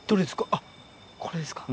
あっこれですか。